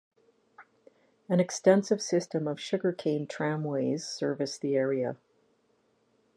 An extensive system of sugar cane tramways service the area.